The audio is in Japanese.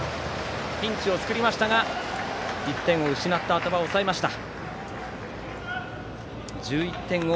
ピンチを作りましたが１点を失ったあと抑えました。